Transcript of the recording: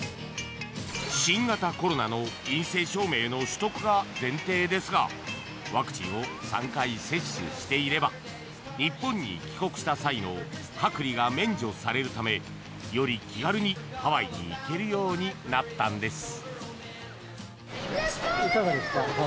新型コロナの陰性証明の取得が前提ですがワクチンを３回接種していれば日本に帰国した際の隔離が免除されるためより気軽に、ハワイに行けるようになったんです。